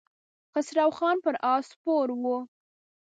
خسرو خان پر آس سپور و.